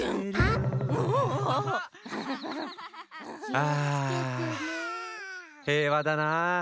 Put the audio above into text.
ああへいわだなあ。